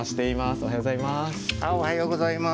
おはようございます。